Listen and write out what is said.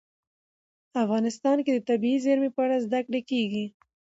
افغانستان کې د طبیعي زیرمې په اړه زده کړه کېږي.